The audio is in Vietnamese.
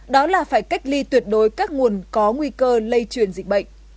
đó là phải cách ly tuyệt đối các nguồn có nguy cơ lây truyền dịch bệnh